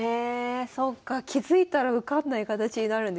そっか気付いたら受かんない形になるんですね。